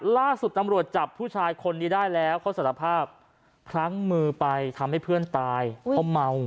ล่าสุดตำรวจจับผู้ชายคนนี้ได้แล้วเขาสารภาพพลั้งมือไปทำให้เพื่อนตายเพราะเมา